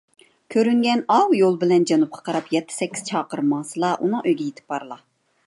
كۆرۈنگەن ئاۋۇ يول بىلەن جەنۇبقا قاراپ يەتتە - سەككىز چاقىرىم ماڭسىلا، ئۇنىڭ ئۆيىگە يېتىپ بارىلا.